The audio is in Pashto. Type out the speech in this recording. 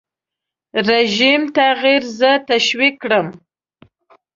رژیم تغییر زه تشویق کړم.